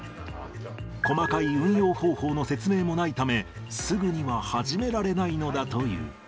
細かい運用方法の説明もないため、すぐには始められないのだという。